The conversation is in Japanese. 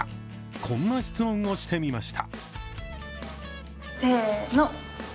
こんな質問をしてみました。